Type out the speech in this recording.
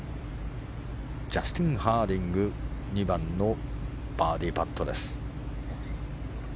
ジャスティン・ハーディング２番のバーディーパット。